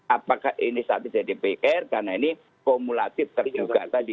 apakah inisiatif dari dpr karena ini kumulatif terduga tadi